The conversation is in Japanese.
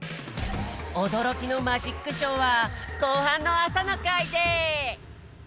おどろきのマジックショーは後半のあさのかいで！